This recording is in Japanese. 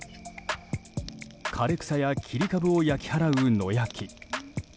枯れ草や切り株を焼き払う野焼き。